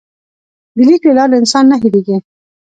د لیک له لارې انسان نه هېرېږي.